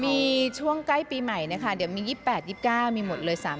มีช่วงใกล้ปีใหม่นะคะมันมี๒๘๒๙มีหมดเลย๓๐